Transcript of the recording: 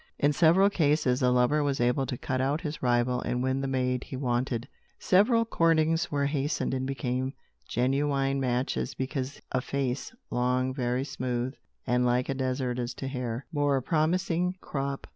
In several cases, a lover was able to cut out his rival and win the maid he wanted. Several courtings were hastened and became genuine matches, because a face, long very smooth, and like a desert as to hair, bore a promising crop.